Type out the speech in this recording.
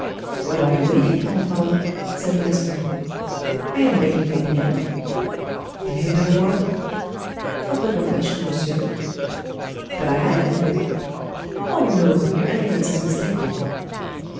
"What are you waiting for, father?" said Mazarin. "I am waiting for the end." "The end of what?" "Of the confession, monsieur." "But I have ended." "Oh, no; your eminence is mistaken."